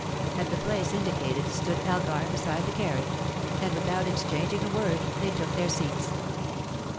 At the place indicated stood Elgar beside the carriage, and without exchanging a word they took their seats.